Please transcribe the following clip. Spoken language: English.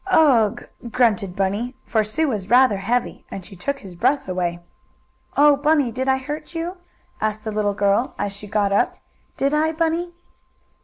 "Ugh!" grunted Bunny, for Sue was rather heavy and she took his breath away. "Oh, Bunny, did I hurt you?" asked the little girl, as she got up. "Did I, Bunny?"